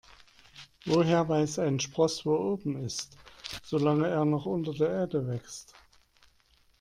Woher weiß ein Spross, wo oben ist, solange er noch unter der Erde wächst?